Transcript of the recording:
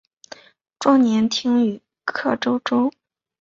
壮年听雨客舟中。